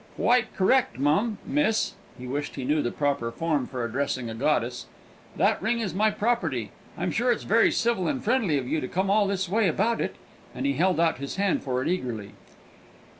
"Quite correct, mum miss!" (he wished he knew the proper form for addressing a goddess) "that ring is my property. I'm sure it's very civil and friendly of you to come all this way about it," and he held out his hand for it eagerly.